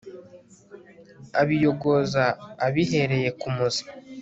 abiyogoza abihereye ku muzi